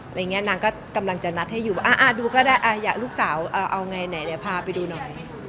อะไรอย่างเงี้ยนางก็กำลังจะนัดให้อยู่อ่าอ่าดูก็ได้อ่าอย่าลูกสาวเอาไงไหนเนี่ยพาไปดูหน่อย